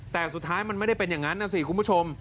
แต่สุดท้ายมันไม่ได้เป็นอย่างนั้นนะสิคุณผู้ชม